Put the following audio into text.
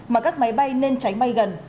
mà các máy bay nên tránh bay gần